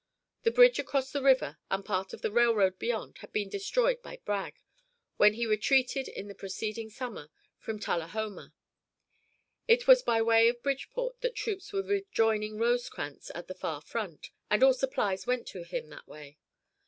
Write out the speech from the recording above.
The bridge across the river and part of the railroad beyond had been destroyed by Bragg when he retreated in the preceding summer from Tullahoma. It was by way of Bridgeport that troops were joining Rosecrans at the far front, and all supplies went to him that way.